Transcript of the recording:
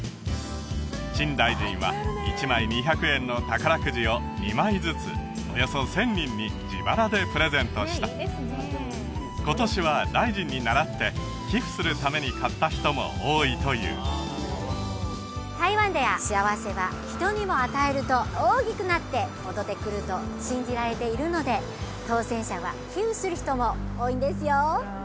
陳大臣は１枚２００円の宝くじを２枚ずつおよそ１０００人に自腹でプレゼントした今年は大臣にならって寄付するために買った人も多いという台湾では幸せは人にも与えると大きくなって戻ってくると信じられているので当せん者は寄付する人も多いんですよ